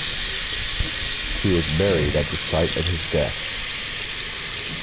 He was buried at the site of his death.